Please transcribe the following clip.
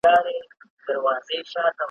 له مرحوم انجنیر سلطان جان کلیوال سره مي ,